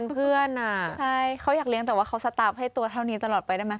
ช่องเยี่ยมของมันตัวนี้ตลอดไปได้มั้ย